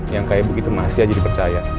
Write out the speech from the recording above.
yang kayak begitu masih aja dipercaya